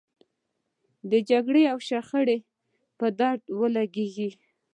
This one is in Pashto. د جګړې او شخړې په درد ولګېږي.